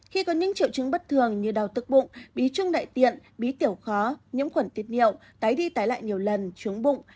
khi có những triệu chứng bất thường như đau tức bụng bí trung đại tiện bí tiểu khó nhiễm khuẩn tiệt niệu tái đi tái lại nhiều lần trúng bụng